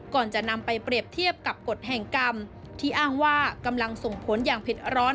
ก่อนจะนำไปเปรียบเทียบกับกฎแห่งกรรมที่อ้างว่ากำลังส่งผลอย่างเผ็ดร้อน